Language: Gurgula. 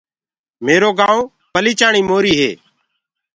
ميرو گآئونٚ پليچاڻي موري هي۔